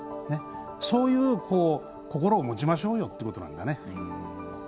そういう心を持ちましょうよっていうことなんだね。